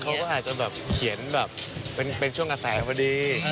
เขาก็อาจจะแบบเขียนแบบเป็นช่วงกระแสพอดี